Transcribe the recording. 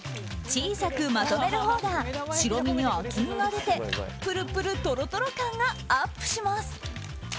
小さくまとめるほうが白身に厚みが出てぷるぷるトロトロ感がアップします。